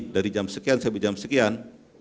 dari jam sekian sampai jam sekian